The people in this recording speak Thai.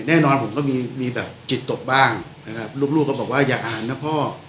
แน่นอนผมก็มีแบบจิตตกบ้างนะครับลูกก็บอกว่าอย่าอ่านนะพ่อ